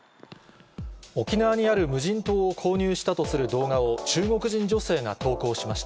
沖縄にある無人島を購入したとする動画を中国人女性が投稿しました。